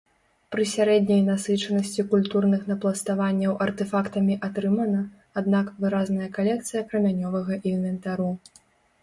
Пры сярэдняй насычанасці культурных напластаванняў артэфактамі атрымана, аднак, выразная калекцыя крамянёвага інвентару.